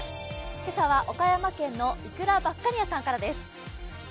今朝は岡山県のいくら・ばっかにあさんからです。